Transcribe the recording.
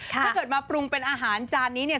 ถ้าเกิดมาปรุงเป็นอาหารจานนี้เนี่ย